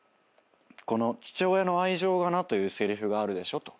「この『父親の愛情がな』というせりふがあるでしょ」と。